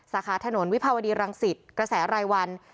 สาขาถนนวิภาวดีรังสิตกระแสรายวัน